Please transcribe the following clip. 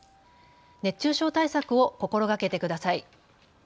熱中症対策を心がけてください。